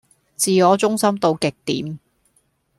自我中心到極點